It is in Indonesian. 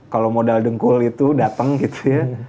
kalo modal dengkul itu dateng gitu ya